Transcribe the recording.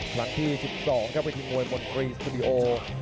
หลังที่๑๒ก็เป็นทีมมวยมนตรีสตูดิโอ